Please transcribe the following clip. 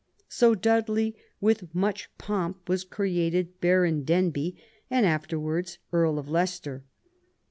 So Dudley, with much pomp, was created Baron Denbigh, and afterwards Earl of Leicester.